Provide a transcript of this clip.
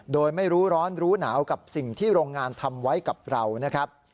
โดยไม่รู้ร้อนรู้หนาวกับสิ่งที่โรงงานทำไว้กับเรานะครับ